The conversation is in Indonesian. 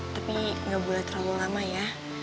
tapi nggak boleh terlalu lama ya